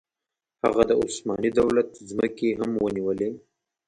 هغه د عثماني دولت ځمکې هم ونیولې.